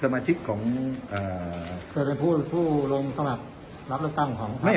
สมาชิกของเอ่อคือเป็นผู้ร่วมสามารถรับตั้งของท่าไม่